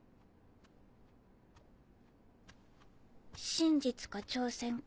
真実か挑戦か。